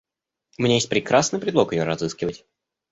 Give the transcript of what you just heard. У меня есть прекрасный предлог ее разыскивать.